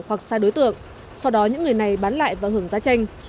hoặc sai đối tượng sau đó những người này bán lại và hưởng giá tranh